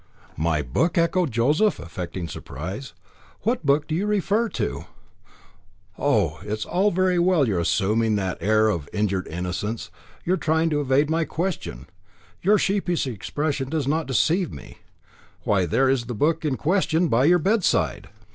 "My book!" echoed Joseph, affecting surprise. "What book do you refer to?" "Oh! it's all very well your assuming that air of injured innocence, your trying to evade my question. Your sheepish expression does not deceive me. Why there is the book in question by your bedside."